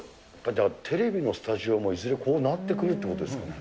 じゃあ、テレビのスタジオもいずれこうなってくるっていうことですかね。